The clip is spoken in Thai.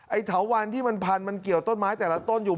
เถาวันที่มันพันมันเกี่ยวต้นไม้แต่ละต้นอยู่